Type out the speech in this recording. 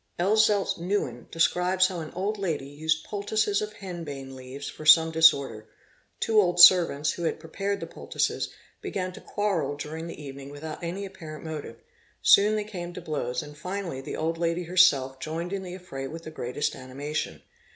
> Gizelt Newin 8% describes how an old lady used poultices of hen bane leaves for some disorder: two old servants, who had prepared the poultices, began to quarrel during the evening without any apparent ~ motive; soon they came to blows and finally the old lady herself joined in the affray with the greatest animation.